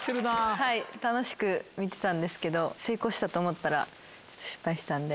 はい楽しく見てたんですけど成功したと思ったらちょっと失敗したんで。